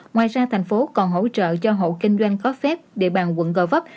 ngoài ra thành phố còn hỗ trợ cho hộ kinh doanh có phép địa bàn quận gò vấp